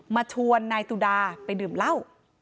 มาชวนนายตุดาไปดื่มเหล้า